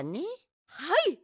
はい。